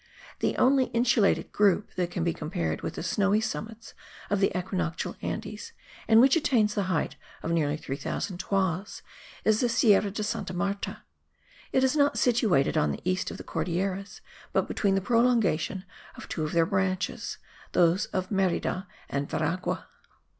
The only insulated group that can be compared with the snowy summits of the equinoctial Andes, and which attains the height of nearly 3000 toises, is the Sierra de Santa Marta; it is not situated on the east of the Cordilleras, but between the prolongation of two of their branches, those of Merida and Veragua.